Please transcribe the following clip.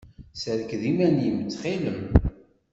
Serked iman-im, ttxil-m.